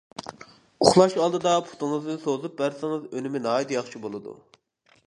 ئۇخلاش ئالدىدا پۇتىڭىزنى سوزۇپ بەرسىڭىز، ئۈنۈمى ناھايىتى ياخشى بولىدۇ.